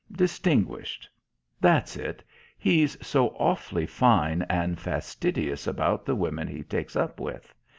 Distinguished. That's it. He's so awfully fine and fastidious about the women he takes up with.